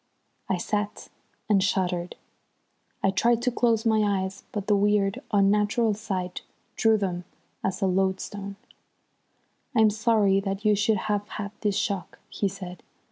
I sat and shuddered. I tried to close my eyes, but the weird, unnatural sight drew them as a lodestone. "I'm sorry that you should have had this shock," he said.